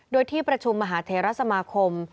โดยที่ประชุมมหาเทรสมาคม